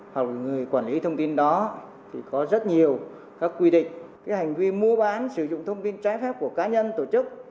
học người quản lý thông tin đó thì có rất nhiều các quy định hành vi mua bán sử dụng thông tin trái phép của cá nhân tổ chức